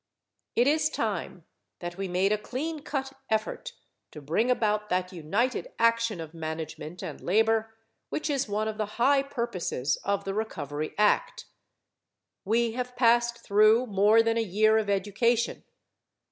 It is time that we made a clean cut effort to bring about that united action of management and labor, which is one of the high purposes of the Recovery Act. We have passed through more than a year of education.